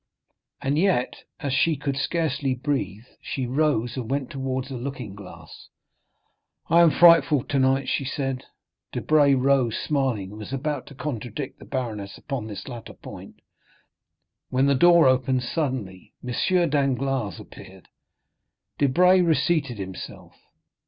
And yet, as she could scarcely breathe, she rose and went towards a looking glass. "I am frightful tonight," she said. Debray rose, smiling, and was about to contradict the baroness upon this latter point, when the door opened suddenly. M. Danglars appeared; Debray reseated himself.